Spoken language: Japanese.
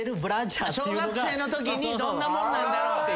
小学生のときにどんなもんなんだろうっていう。